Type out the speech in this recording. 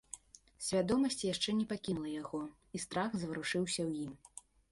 Свядомасць яшчэ не пакінула яго, і страх заварушыўся ў ім.